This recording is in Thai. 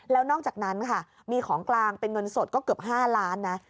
แล้วนอกจากนั้นค่ะมีของกลางเป็นเงินสดก็เกือบ๕ล้านนะ